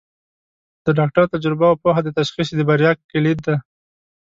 د ډاکټر تجربه او پوهه د تشخیص د بریا کلید ده.